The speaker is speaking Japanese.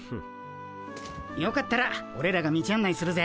よかったらオレらが道あん内するぜ。